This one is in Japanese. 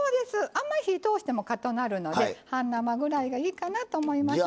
あんまり火通してもかたくなるので半生ぐらいがいいかなと思います。